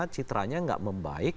citranya tidak membaik